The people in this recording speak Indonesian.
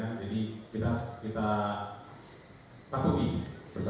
jadi kita takuti bersama